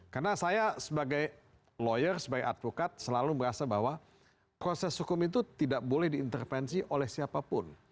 karena saya sebagai lawyer sebagai advokat selalu merasa bahwa proses hukum itu tidak boleh diintervensi oleh siapapun